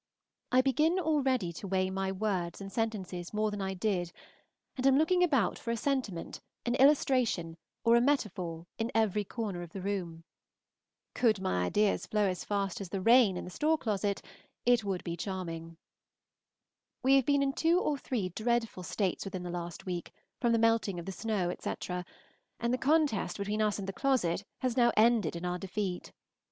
I begin already to weigh my words and sentences more than I did, and am looking about for a sentiment, an illustration, or a metaphor in every corner of the room. Could my ideas flow as fast as the rain in the store closet, it would be charming. We have been in two or three dreadful states within the last week, from the melting of the snow, etc., and the contest between us and the closet has now ended in our defeat.